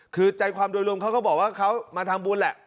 คือใจความโดยรวมเขาก็บอกว่าเขามาทำบุญแหละ